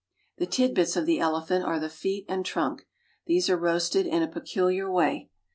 The tidbits of the elephant are the feet and trunk. These are roasted in a peculiar way.